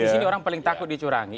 kompetisi orang paling takut dicurangi